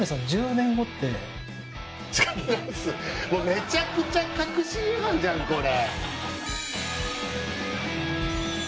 めちゃくちゃ確信犯じゃんこれ。